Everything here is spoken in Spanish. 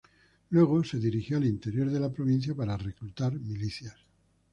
Luego se dirigió al interior de la provincia para reclutar milicias.